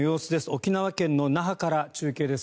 沖縄県の那覇から中継です。